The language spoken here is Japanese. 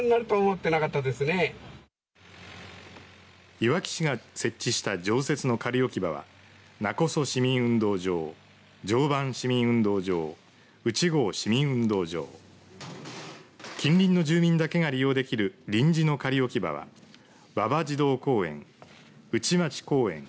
いわき市が設置した常設の仮置き場は勿来市民運動場常磐市民運動場内郷市民運動場近隣の住民だけで利用できる臨時の仮置き場は馬場児童公園内町公園